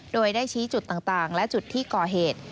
โดยได้ชี้จุดต่างและจุดที่ก่อเหตุ